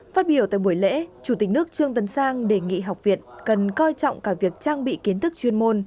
phát biểu tại buổi lễ chủ tịch nước trương tấn sang đề nghị học viện cần coi trọng cả việc trang bị kiến thức chuyên môn